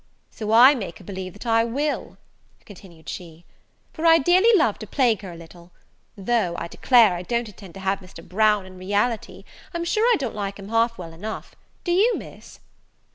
"So I make her believe that I will," continued she; "for I dearly love to plague her a little; though, I declare, I don't intend to have Mr. Brown in reality; I'm sure I don't like him half well enough, do you, Miss?"